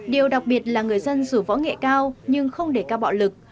điều đặc biệt là người dân dù võ nghệ cao nhưng không để cao bạo lực